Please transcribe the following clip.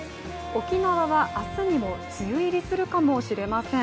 沖縄は、明日にも梅雨入りするかもしれません。